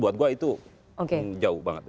buat gue itu jauh banget